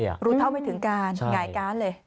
รู้เท่าไม่ถึงการหงายการ์ดเลย